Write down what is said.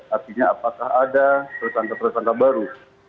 artinya apakah ada tersangka tersangka baru